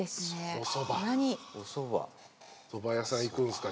おそば屋さん行くんすか？